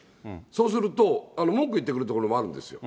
そうすると、文句言ってくるところもあるんですよ。